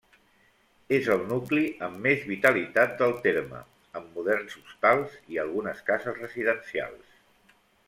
És el nucli amb més vitalitat del terme, amb moderns hostals i algunes cases residencials.